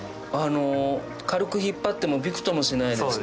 軽く引っ張ってもビクともしないです。